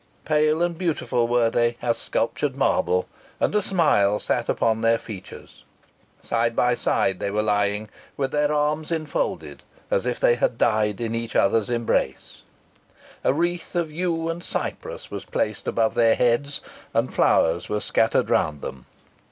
Pale and beautiful were they as sculptured marble, and a smile sat upon their features. Side by side they were lying, with their arms enfolded, as if they had died in each other's embrace. A wreath of yew and cypress was placed above their heads, and flowers were scattered round them.